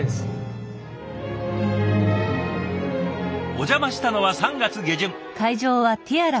お邪魔したのは３月下旬。